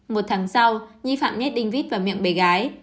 một tháng sau nghi phạm nhét đinh vít vào miệng bé gái